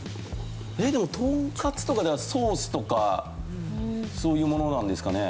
でもとんかつとかではソースとかそういうものなんですかね。